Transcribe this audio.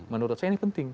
menurut saya ini penting